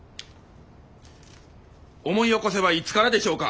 「思い起こせばいつからでしょうか」。